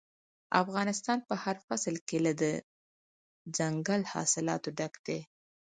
افغانستان په هر فصل کې له دځنګل حاصلاتو ډک دی.